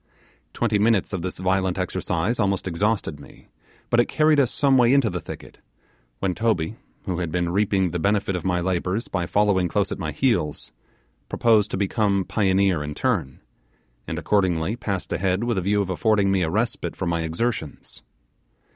Twenty minutes of this violent exercise almost exhausted me, but it carried us some way into the thicket; when Toby, who had been reaping the benefit of my labours by following close at my heels, proposed to become pioneer in turn, and accordingly passed ahead with a view of affording me a respite from my exertions.